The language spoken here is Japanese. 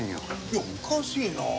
いやおかしいなあ。